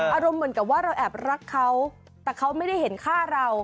อารมณ์เหมือนกับว่าเราแอบรักเขาแต่เขาไม่ได้เห็นฆ่าเรา